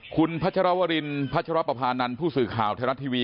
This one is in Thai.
คุณพัชรวรินพัชรปภานันทร์ผู้สื่อข่าวไทยรัฐทีวี